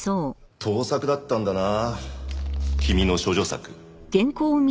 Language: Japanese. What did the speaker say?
盗作だったんだな君の処女作。